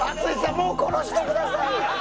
もう殺してください！